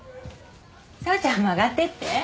紗和ちゃんも上がっていって。